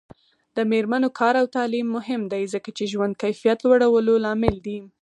د میرمنو کار او تعلیم مهم دی ځکه چې ژوند کیفیت لوړولو لامل دی.